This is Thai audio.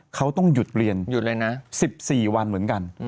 เขาต้องหยุดเรียน๑๔วันเหมือนกัน